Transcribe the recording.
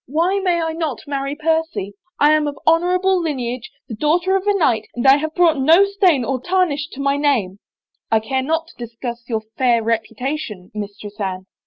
Why may I not marry Percy ? I am of honor able lineage, the daughter of a knight, and I have brought no stain or tarnish to my name —"" I care not to discuss your fair reputation, Mistress Anne."